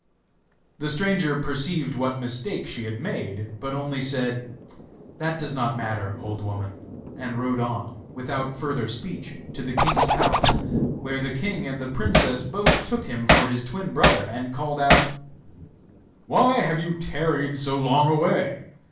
The stranger perceived what mistake she had made, but only said: 'That does not matter, old woman,' and rode on, without further speech, to the king's palace, where the king and the princess both took him for his twin brother, and called out: 'Why have you tarried so long away?